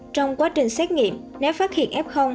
trong quá trình xét nghiệm nếu phát hiện f